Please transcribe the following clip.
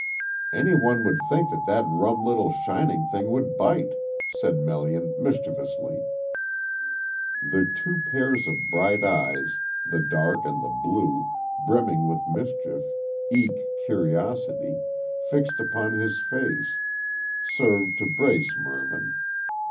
"Any one would think that that rum little shining thing would bite," said Melian, mischievously. The two pairs of bright eyes, the dark and the blue, brimming with mischief eke curiosity fixed upon his face, served to brace Mervyn.